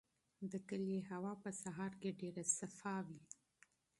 د کلي هوا په سهار کې ډېره پاکه وي.